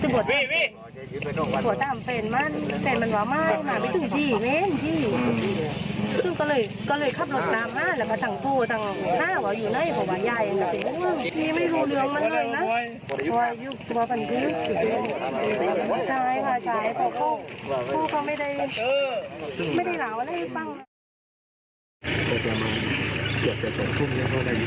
ว่ายุครุมภาพศูนย์ชิดน้ำซ้ายหาไช่ก็พวกเขาไม่ได้หล่าวอะไรบ้างนะ